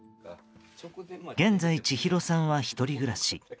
現在、千尋さんは１人暮らし。